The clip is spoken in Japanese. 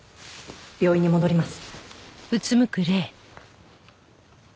病院に戻ります。